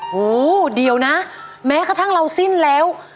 โหเดี๋ยวนะแม้กระทั่งเราสิ้นแล้ว